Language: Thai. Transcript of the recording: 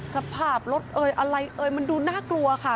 สภาพรถเอ่ยอะไรเอ่ยมันดูน่ากลัวค่ะ